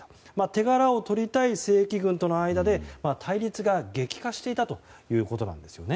手柄をとりたい正規軍との間で対立が激化していたということです。